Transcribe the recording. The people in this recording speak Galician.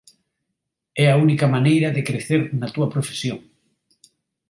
É a única maneira de crecer na túa profesión.